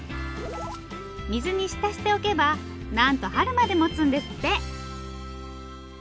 水に浸しておけばなんと春までもつんですって。